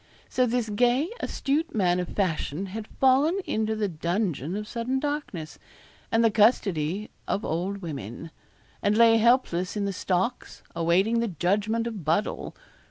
So this gay, astute man of fashion had fallen into the dungeon of sudden darkness, and the custody of old women; and lay helpless in the stocks, awaiting the judgment of Buddle.